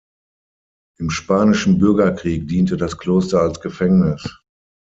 Im Spanischen Bürgerkrieg diente das Kloster als Gefängnis.